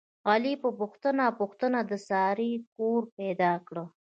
علي په پوښته پوښتنه د سارې کور پیدا کړ.